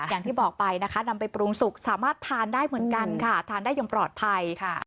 อย่างที่บอกไปนะคะนำไปปรุงสุกสามารถทานได้เหมือนกันค่ะทานได้อย่างปลอดภัย